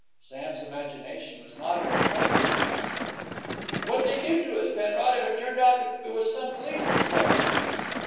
Sam's imagination was not of the comforting kind. "What'd they do to us, Penrod, if it turned out he was some policeman's horse?"